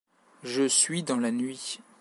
Je suis dans la nuit.